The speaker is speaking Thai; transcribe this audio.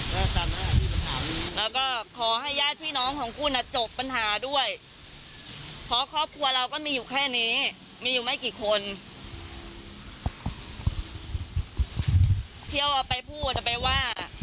แล้วก็ขอให้ญาติพี่น้องของคู่นะจบปัญหาด้วยเพราะครอบครัวเราก็ไม่อยู่แค่นี้มีอยู่ไม่กี่คนเที่ยวไปพูดไปว่า